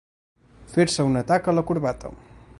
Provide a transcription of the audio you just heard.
Fer-se una taca a la corbata.